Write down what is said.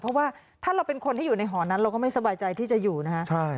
เพราะว่าถ้าเราเป็นคนที่อยู่ในหอนั้นเราก็ไม่สบายใจที่จะอยู่นะฮะ